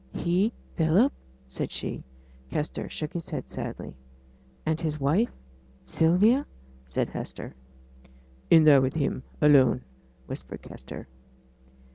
'He? Philip?' said she. Kester shook his head sadly. 'And his wife Sylvia?' said Hester. 'In there with him, alone,' whispered Kester.